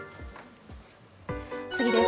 次です。